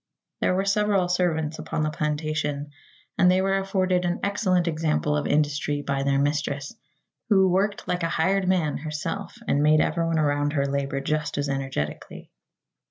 There were several servants upon the plantation, and they were afforded an excellent example of industry by their mistress, who "worked like a hired man" herself and made everyone around her labor just as energetically.